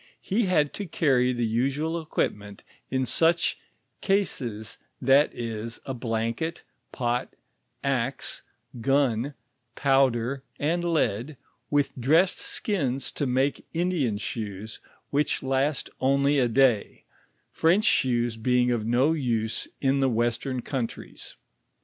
He had to carry the usual equipment in such eaees, that ip, a blanket, pot, axe, gun, powder, and lead, with dressed skins to make Indian shoes, which last only a day, French shoes being of no use in the western countries.